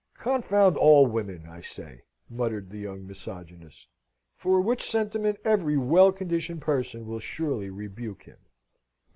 "Confound all women, I say!" muttered the young misogynist. For which sentiment every well conditioned person will surely rebuke him.